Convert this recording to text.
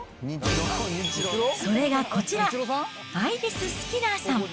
それがこちら、アイリス・スキナーさん。